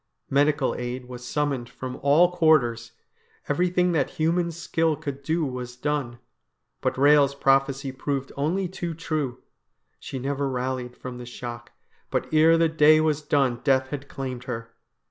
Medical aid was summoned from all quarters. Everything that human skill could do was done. But Eehel's prophecy proved only too true ; she never rallied from the shock, but ere the day was done death had claimed her.